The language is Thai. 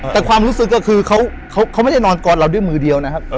แต่ความรู้สึกก็คือเขาไม่ได้นอนกอดเราด้วยมือเดียวนะครับ